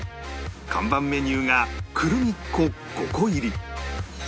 看板メニューがクルミッ子５個入